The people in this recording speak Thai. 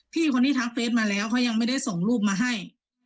พี่คนนี้ทักเฟสมาแล้วเขายังไม่ได้ส่งรูปมาให้